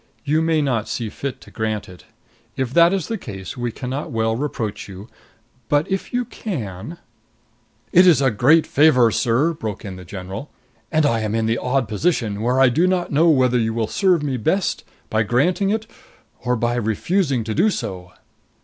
You may not see fit to grant it. If that is the case we can not well reproach you. But if you can " "It is a great favor, sir!" broke in the general. "And I am in the odd position where I do not know whether you will serve me best by granting it or by refusing to do so."